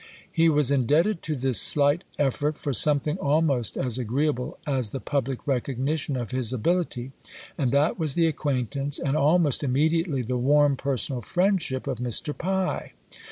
He was indebted to this slight effort for something almost as agreeable as the public recognition of his ability, and that was the acquaintance, and almost immediately the warm personal friendship, of Mr. Pye.